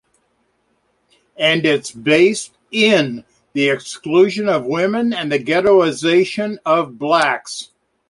And it's based "in" the exclusion of women and the ghettoization of blacks.